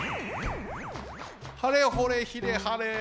はれほれひれはれ。